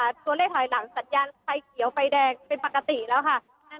สัญญาณไฟเขียวไฟแดงเป็นปกติแล้วค่ะ